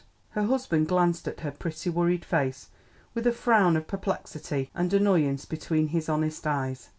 Her husband glanced at her pretty worried face with a frown of perplexity and annoyance between his honest eyes.